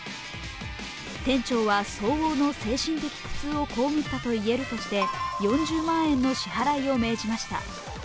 店長は相応の精神的苦痛をこうむったといえるとして４０万円の支払いを命じました。